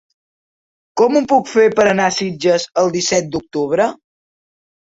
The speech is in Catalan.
Com ho puc fer per anar a Sitges el disset d'octubre?